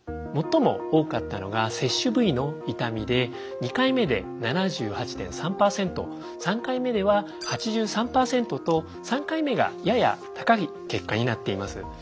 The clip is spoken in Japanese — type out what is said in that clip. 最も多かったのが接種部位の痛みで２回目で７８．３％３回目では８３％と３回目がやや高い結果になっています。